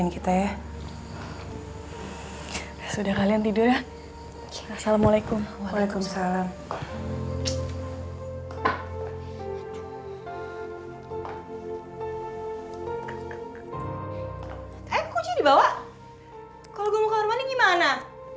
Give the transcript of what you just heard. kalau gue mau ke rumah ini gimana